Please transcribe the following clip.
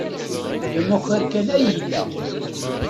D amakar kan ay yella.